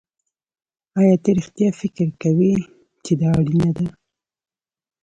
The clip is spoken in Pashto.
ایا ته رښتیا فکر کوې چې دا اړینه ده